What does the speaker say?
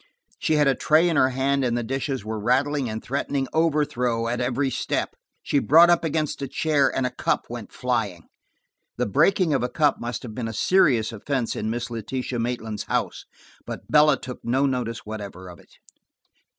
She had a tray in her hand, and the dishes were rattling and threatening overthrow at every step. She brought up against a chair, and a cup went flying. The breaking of a cup must have been a serious offense in Miss Letitia Maitland's house, but Bella took no notice whatever of it.